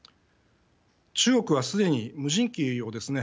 中国は、すでに無人機をですね